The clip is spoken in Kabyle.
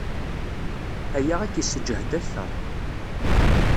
Aya ad k-isseǧhed akter.